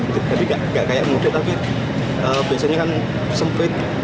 jadi nggak kayak mudik tapi biasanya kan sempit